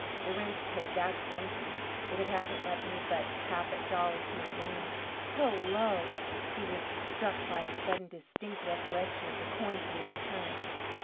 The rent's paid, that's one thing, if it hasn't left me but half a dollar to my name. Hullo!" He was struck by a sudden distinct recollection of the coins he had returned.